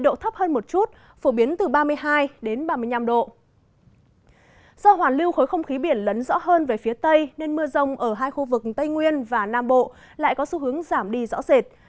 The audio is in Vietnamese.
do hoàn lưu khối không khí biển lấn rõ hơn về phía tây nên mưa rông ở hai khu vực tây nguyên và nam bộ lại có xu hướng giảm đi rõ rệt